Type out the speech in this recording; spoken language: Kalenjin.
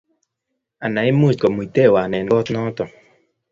Uni much kumutiwe on eng' koot noto